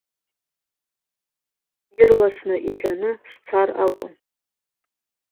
Ирласны иҳәаны сцар акәын.